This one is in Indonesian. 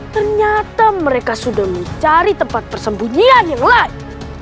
ternyata mereka sudah mencari tempat persembunyian yang lain